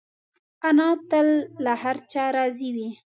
انا تل له هر چا راضي وي